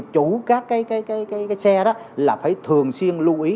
chủ các cái xe đó là phải thường xuyên lưu ý